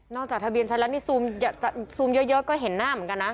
จากทะเบียนใช้แล้วนี่ซูมเยอะก็เห็นหน้าเหมือนกันนะ